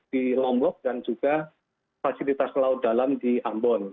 di lombok dan juga fasilitas laut dalam di ambon